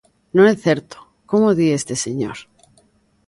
Non é certo, como di este señor.